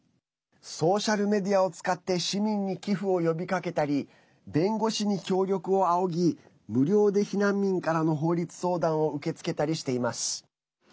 ソーシャルメディアを使って市民に寄付を呼びかけたり弁護士に協力を仰ぎ無料で避難民からの法律相談を受け付けたりしています。